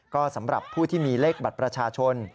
ก็สำหรับผู้ที่มีเลขบัตรประชาชน